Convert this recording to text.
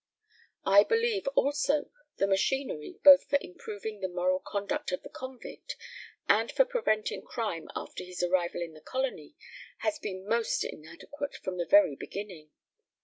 I believe, also, the machinery, both for improving the moral conduct of the convict, and for preventing crime after his arrival in the colony, has been most inadequate from the very beginning.